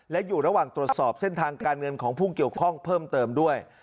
และอยู่ระหว่างตรวจสอบเส้นทางการเงินของผู้เกี่ยวข้องเพิ่มเติมด้วย